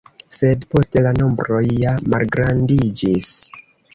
Sed poste la nombroj ja malgrandiĝis.